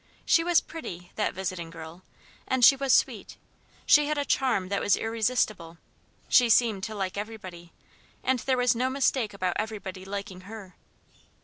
She was pretty, that visiting girl, and she was sweet; she had a charm that was irresistible; she seemed to like everybody, and there was no mistake about everybody liking her.